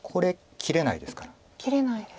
切れないです。